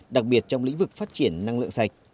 đặc biệt trong lĩnh vực phát triển năng lượng sạch